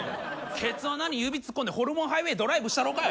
ケツ穴に指突っ込んでホルモンハイウェイドライブしたろかい。